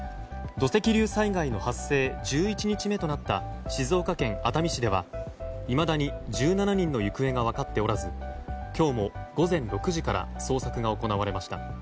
土石流災害の発生１１日目となった静岡県熱海市では、いまだに１７人の行方が分かっておらず今日も午前６時から捜索が行われました。